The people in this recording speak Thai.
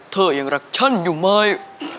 เธอยังรักฉันอยู่ไหม